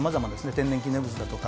天然記念物だとか。